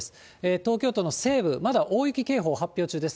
東京都の西部、まだ大雪警報発表中です。